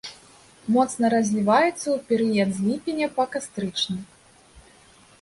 Моцна разліваецца ў перыяд з ліпеня па кастрычнік.